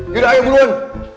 yaudah ayo buruan